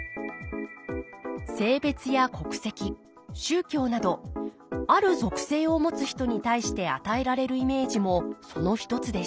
性別や国籍宗教などある属性を持つ人に対して与えられるイメージもその一つです